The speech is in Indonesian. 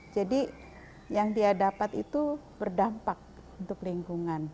jadi yang dia dapat itu berdampak untuk lingkungan